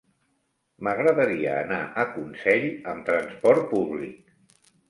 M'agradaria anar a Consell amb transport públic.